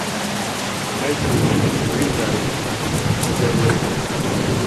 Maciej remarried a year later.